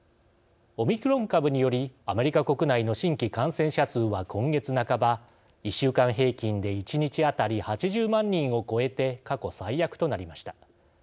オミクロン株によりアメリカ国内の新規感染者数は今月半ば、１週間平均で１日当たり８０万人を超えて過去最悪となりました。